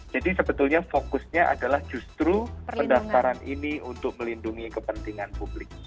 jadi sebetulnya fokusnya adalah justru pendaftaran ini untuk melindungi kepentingan publik